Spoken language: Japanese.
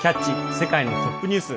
世界のトップニュース」。